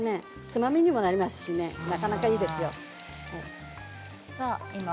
つまみにもなりますしなかなかいいですよ。